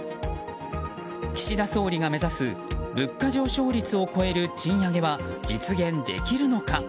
岸田総理が目指す物価上昇率を超える賃上げは実現できるのか。